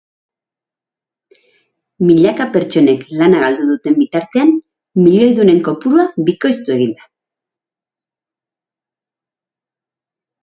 Milaka pertsonek lana galdu duten bitartean, milioidunen kopurua bikoiztu egin da.